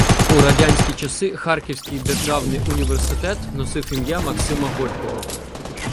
У радянські часи Харківський державний університет носив ім’я Максима Горького.